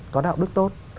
có đạo đức tốt